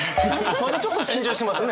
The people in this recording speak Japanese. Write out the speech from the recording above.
まだちょっと緊張してますね。